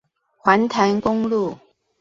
環潭公路